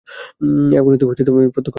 এই আগুনই তো চাই, এই প্রত্যক্ষ আগুন।